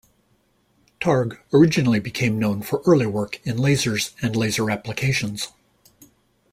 Targ originally became known for early work in lasers and laser applications.